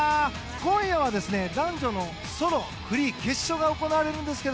今夜は男女のソロフリー決勝が行われますが。